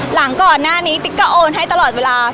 หลังก่อนหน้านี้ติ๊กก็โอนให้ตลอดเวลา